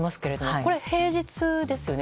これは平日ですよね。